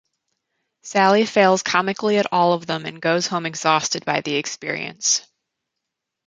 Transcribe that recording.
Sally fails comically at all of them and goes home exhausted by the experience.